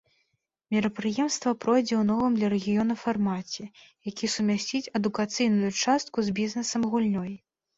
Мерапрыемства пройдзе ў новым для рэгіёна фармаце, які сумясціць адукацыйную частку з бізнесам-гульнёй.